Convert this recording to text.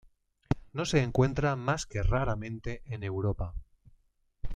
No se encuentran más que raramente en Europa.